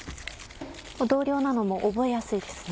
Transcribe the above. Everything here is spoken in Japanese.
同量なのも覚えやすいですね。